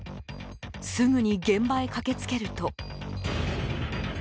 すぐに現場へ駆けつけると。